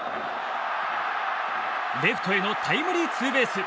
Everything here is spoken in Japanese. レフトへのタイムリーツーベース。